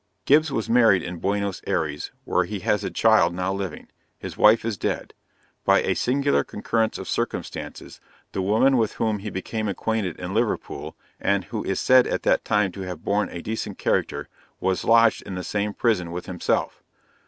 Gibbs was married in Buenos Ayres, where he has a child now living. His wife is dead. By a singular concurrence of circumstances, the woman with whom he became acquainted in Liverpool, and who is said at that time to have borne a decent character, was lodged in the same prison with himself.